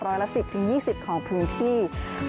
ร้อยละ๑๐๒๐ของพื้นที่